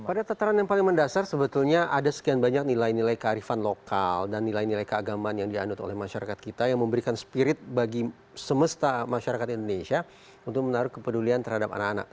pada tataran yang paling mendasar sebetulnya ada sekian banyak nilai nilai kearifan lokal dan nilai nilai keagamaan yang dianut oleh masyarakat kita yang memberikan spirit bagi semesta masyarakat indonesia untuk menaruh kepedulian terhadap anak anak